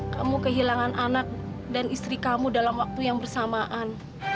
kamu kehilangan anak dan istri kamu dalam waktu yang bersamaan